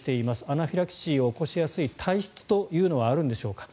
アナフィラキシーを起こしやすい体質というのはあるんでしょうか。